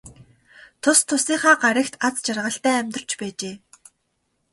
Тус тусынхаа гаригт аз жаргалтай амьдарч байжээ.